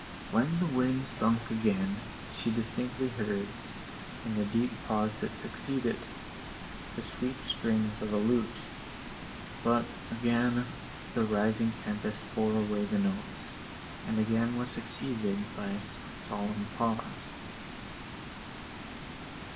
When the wind sunk again, she heard distinctly, in the deep pause that succeeded, the sweet strings of a lute; but again the rising tempest bore away the notes, and again was succeeded by a solemn pause.